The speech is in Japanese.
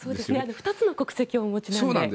２つの国籍をお持ちなので。